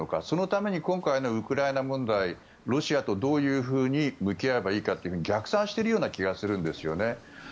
そのために今回のウクライナ問題をロシアとどういうふうに向き合えばいいかを逆算しているような気がするんですよね。